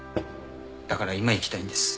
だから今行きたいんです。